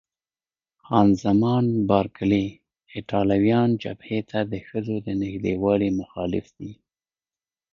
خان زمان بارکلي: ایټالویان جبهې ته د ښځو د نږدېوالي مخالف دي.